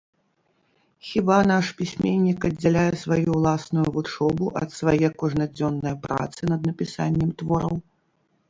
Хіба наш пісьменнік аддзяляе сваю ўласную вучобу ад свае кожнадзённае працы над напісаннем твораў?